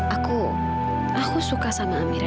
aku aku suka sama amira